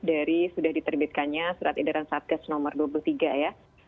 dari sudah diterbitkannya surat edaran satgas nomor dua puluh tiga ya